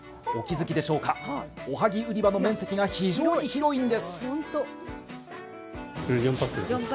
お気づきでしょうか、おはぎ売り場の面積が非常に広いんです。